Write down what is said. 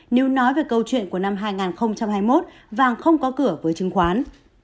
nếu nói về câu chuyện của năm hai nghìn hai mươi một vàng không có cửa với chứng khoán